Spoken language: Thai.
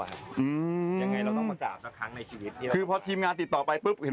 เราเจอคำได้ซักครั้งที่กับที